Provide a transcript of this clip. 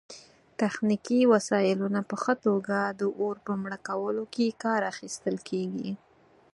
تخنیکي وسایلو نه په ښه توګه د اور په مړه کیدو کې کار اخیستل